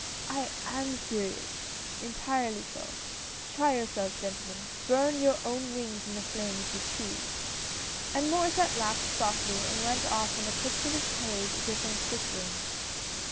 " I am serious, entirely so. Try yourselves, gentle man, burn your own wings in the flame if you choose." And Maurdsset laughed softly and went off on the tips of his toes as if in a sick room.